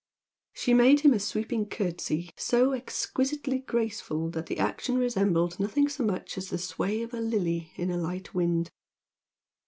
She made him a sweeping curtsy so exquisitely graceful that the action resembled nothing so much as the sway of a lily in a light wind.